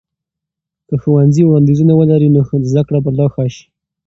که ښوونځي وړاندیزونه ولري، نو زده کړه به لا ښه سي.